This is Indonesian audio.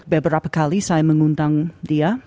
beberapa kali saya mengundang dia